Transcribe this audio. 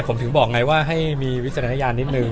ผมถึงบอกไงว่าให้มีวิจารณญาณนิดนึง